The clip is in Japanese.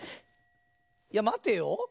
いやまてよ。